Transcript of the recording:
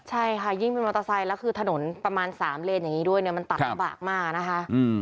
ใช่ค่ะยิ่งเป็นมอเตอร์ไซค์แล้วคือถนนประมาณ๓เลนอย่างนี้ด้วยเนี่ยมันตัดลำบากมากนะคะ